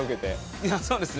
いやそうですね